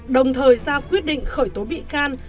đồng thời ra quyết định khởi tố bị can